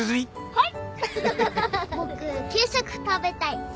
はい。